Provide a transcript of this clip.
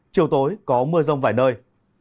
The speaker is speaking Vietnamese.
chiều tối có mưa rông vài nơi